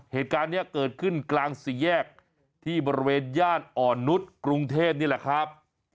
เหตุการณ์นี้เกิดขึ้นกลางสี่แยกที่บริเวณย่านอ่อนนุษย์กรุงเทพนี่แหละครับ